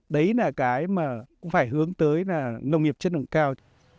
đấy là cái mà cũng phải hướng tới là nông nghiệp chất lượng cao